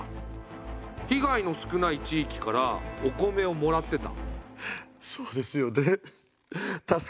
被害の少ない地域からお米をもらってた？